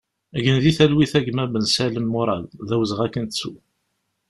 Gen di talwit a gma Bensalem Murad, d awezɣi ad k-nettu!